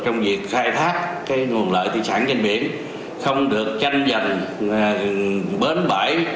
trong việc khai thác nguồn lợi thị trạng trên biển không được tranh dần bến bãi